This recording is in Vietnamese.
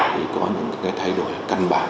thì có những cái thay đổi căn bản